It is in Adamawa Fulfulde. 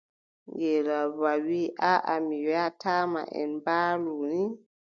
Ngeelooba wii: aaʼa mi waʼitaa ma, en mbaalu ni.